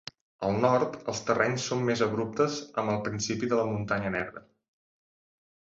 Al nord, els terrenys són més abruptes amb el principi de la Muntanya Negra.